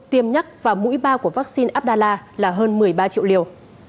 tiêm nhắc và mũi ba của vaccine abdala là hơn một mươi ba triệu liều